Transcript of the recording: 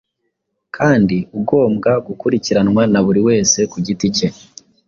kandi ugombwa gukurikiranwa na buri wese ku giti cye,